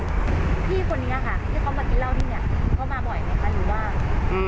พี่คนนี้ค่ะที่เขามากินเหล้าที่เนี่ยเขามาบ่อยไหมคะหรือว่า